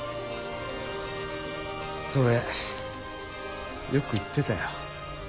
それよく言ってたよ。